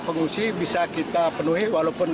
pengungsi bisa kita penuhi walaupun